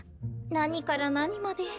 何から何まで。